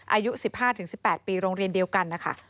อายุ๑๕๑๘ปีโรงเรียนเดียวกันนะคะ